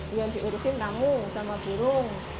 yang diurusin tamu sama burung